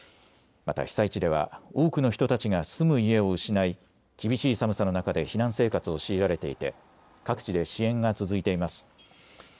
また被災地では多くの人たちが住む家を失い、厳しい寒さの中で避難生活を強いられていて各地で支援が続いています。